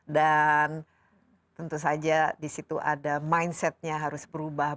dan tentu saja disitu ada mindset nya harus berubah